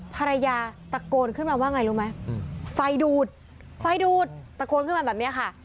ภรรยาตะโกนขึ้นมาว่าไงรู้ไหมไฟดูดไฟดูดตะโกนขึ้นมาแบบนี้ค่ะ